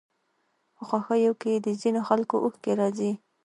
په خوښيو کې د ځينو خلکو اوښکې راځي.